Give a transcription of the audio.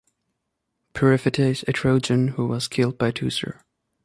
Periphetes, a Trojan who was killed by Teucer.